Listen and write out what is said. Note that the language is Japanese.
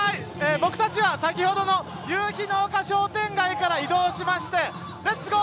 僕たちは先ほどの夕日の丘商店街から移動しましてレッツゴー！